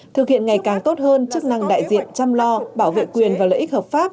thực hiện ngày càng tốt hơn chức năng đại diện chăm lo bảo vệ quyền và lợi ích hợp pháp